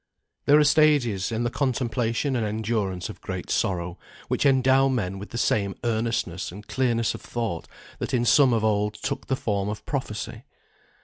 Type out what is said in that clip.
There are stages in the contemplation and endurance of great sorrow, which endow men with the same earnestness and clearness of thought that in some of old took the form of Prophecy.